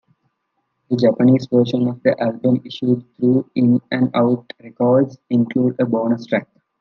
The Japanese version of the album, issued through In-n-Out Records, includes a bonus track.